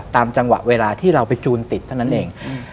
จังหวะเวลาที่เราไปจูนติดเท่านั้นเอง